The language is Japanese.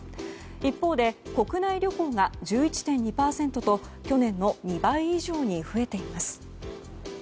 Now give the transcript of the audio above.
一方で、国内旅行が１１．２％と去年の２倍以上に増えています。